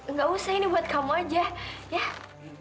nggak usah ini buat kamu aja ya